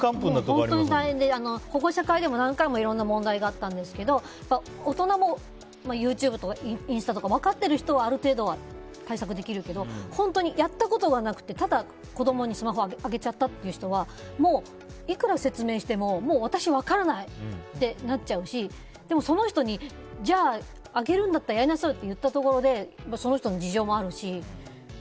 本当に大変で保護者会でも何回もいろんな問題があったんですけど大人もＹｏｕＴｕｂｅとかインスタとか分かってる人はある程度、対策できるけど本当にやったことがなくてただ、子供にスマホあげちゃったっていう人はもういくら説明しても私分からない！ってなっちゃうしその人に、じゃああげるんだったらやりなさいよって言ったところでその人の事情もあるし。